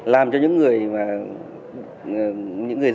làm cho những người dân tin tưởng